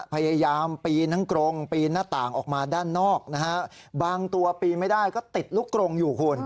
พยายามปีนทั้งกรงปีนหน้าต่างออกมาด้านนอกนะฮะบางตัวปีนไม่ได้ก็ติดลูกกรงอยู่คุณ